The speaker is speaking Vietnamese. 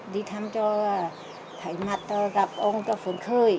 đi thăm cho thầy mặt gặp ông phấn khơi